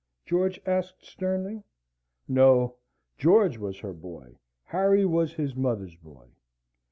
George asked sternly. No. George was her boy; Harry was his mother's boy.